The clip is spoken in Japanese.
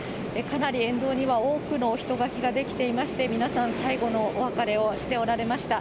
かなり沿道には多くの人垣が出来ていまして、皆さん、最後のお別れをしておられました。